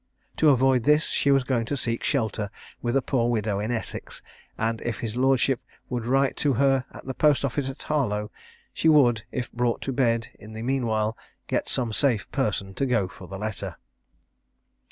To avoid this she was going to seek shelter with a poor widow in Essex; and if his lordship would write to her at the post office at Harlow, she would, if brought to bed in the meanwhile, get some safe person to go for the letter.